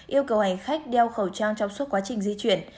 yêu cầu hành khách đeo khẩu trang trong suốt quá trình di chuyển